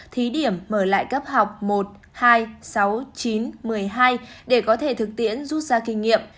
thí điểm mở lại cấp học một hai sáu chín một mươi hai để có thể thực tiễn rút ra kinh nghiệm